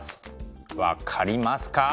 分かりますか？